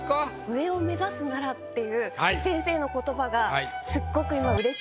「上を目指すなら」っていう先生の言葉がすっごく